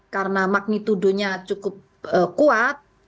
karena magnitudenya cukup kuat